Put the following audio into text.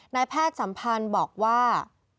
นายแพทย์สัมพันธ์บอกว่า